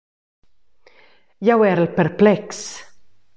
Jeu erel perplexs.